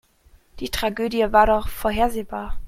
Die Tragödie war doch vorhersehbar.